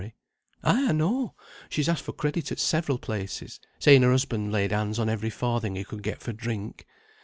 "Ay, I know she's asked for credit at several places, saying her husband laid hands on every farthing he could get for drink.